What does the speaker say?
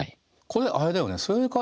これあれだよね